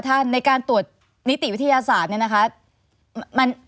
ในการตรวจนิติวิทยาศาสตร์เนี่ยนะคะ